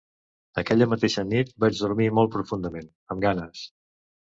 Aquella mateixa nit vaig dormir molt profundament, amb ganes.